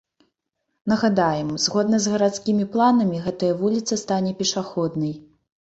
Нагадаем, згодна з гарадскімі планамі, гэтая вуліца стане пешаходнай.